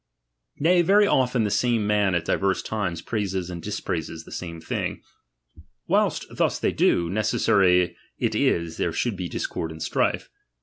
Nay, very often the same man at diverse times praises and dispraises the Mine thing. Whilst thus they do, necessary it is there should be discord and strife.